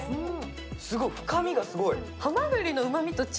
すごい、深みがすごい。